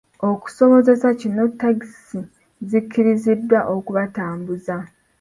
Okusobozesa kino takisi zikkirizibwa okubatambuza.